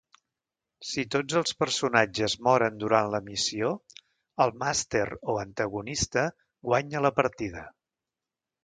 Si tots els personatges moren durant la missió, el màster o antagonista guanya la partida.